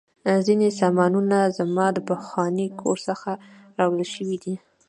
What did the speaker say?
ځینې سامانونه زما د پخواني کور څخه راوړل شوي دي